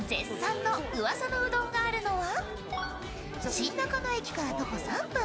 新中野駅から徒歩３分。